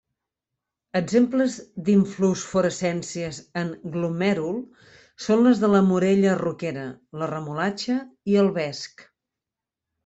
Exemples d'inflorescències en glomèrul són les de la morella roquera, la remolatxa i el vesc.